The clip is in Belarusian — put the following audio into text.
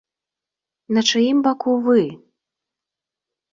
На чыім вы баку вы?